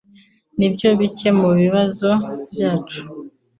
Nibyo bike mubibazo byacu.